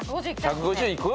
１５０いく？